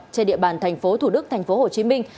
trên địa bàn tp thủ đức tp hồ chí minh